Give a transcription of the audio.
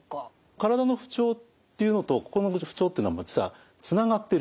体の不調っていうのと心の不調っていうのは実はつながっているんです。